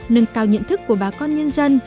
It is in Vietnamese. nâng cao nhận thức của bà con nhân dân